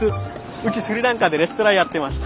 うちスリランカでレストランやってました。